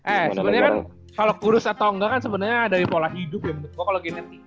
eh sebenernya kan kalau kurus atau enggak kan sebenernya dari pola hidup ya menurut gue kalau genetika mah